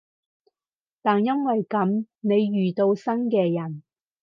但因為噉，你遇到新嘅人